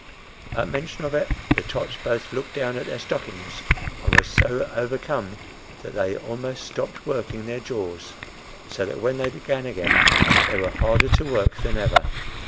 At mention of it, the tots both looked down at their stockings and were so overcome that they almost stopped working their jaws, so that when they began again they were harder to work than ever.